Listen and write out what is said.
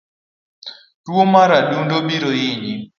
Tuo mar adundo biro hinyi